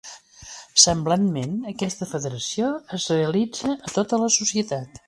Semblantment, aquesta federació es realitza a tota la societat.